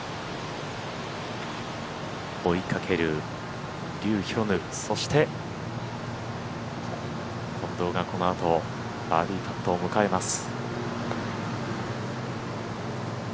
追いかけるリュー・ヒョヌそして近藤がこのあとバーディーパットを迎えます。